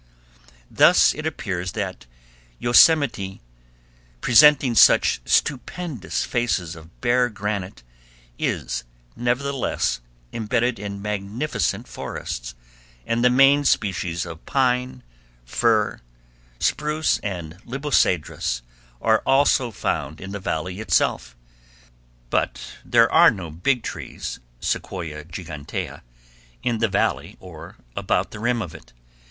Thus it appears that Yosemite, presenting such stupendous faces of bare granite, is nevertheless imbedded in magnificent forests, and the main species of pine, fir, spruce and libocedrus are also found in the Valley itself, but there are no "big trees" (Sequoia gigantea) in the Valley or about the rim of it.